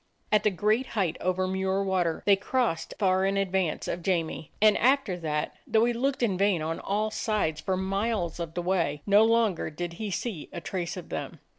At the great height over Muir Water they crossed far in advance of Jamie, and after that, though he looked in vain on all sides for miles of the way, no longer did he see a trace of them.